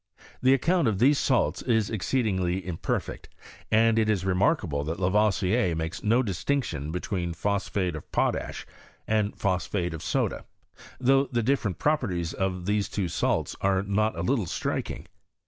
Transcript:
The account of these salts is exceed ingly imperfect, and it is remarkable that Lavoisier makes no distinction between phosphate of potash and phosphate of soda ; though the diiferent pro perties of these two salts are not a little striking.